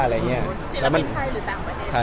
ศิลปิตไทยหรือต่างบ่ายใช่